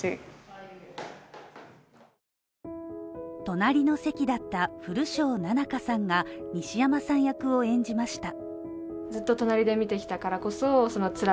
隣の席だった古庄菜々夏さんが西山さん役を演じました。